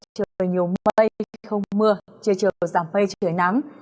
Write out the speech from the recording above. trời nhiều mây không mưa trời trời giảm mây trời nắng